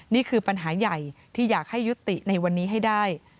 นี่คือปัญหาใหญ่ที่อยากให้ยุติในวันนี้ให้ได้